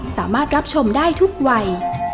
สามารถรับชมได้ทุกวัย